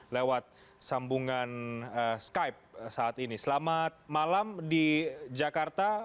lewat sambungan skype saat ini selamat malam di jakarta